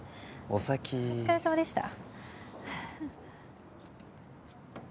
お疲れさまでした。